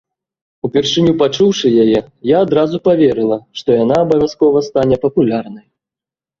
Упершыню пачуўшы яе, я адразу паверыла, што яна абавязкова стане папулярнай.